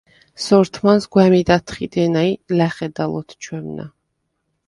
სორთმანს გვა̈მიდ ათხიდენა ი ლა̈ხედალ ოთჩვემნა.